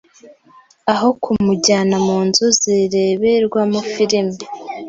aho kumujyana mu nzu zireberwamo filime,